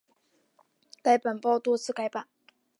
该报经多次改版。